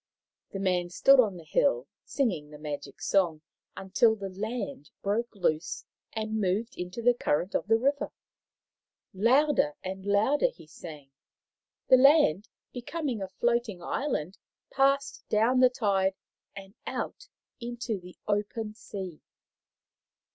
The man stood on the hill, singing the magic song until the land broke loose and moved into the current of the river. Louder and louder he sang. The land, becoming a floating island, passed down the tide and out into the open sea.